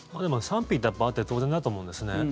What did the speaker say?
賛否ってやっぱりあって当然だと思うんですね。